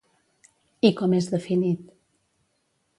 I com és definit?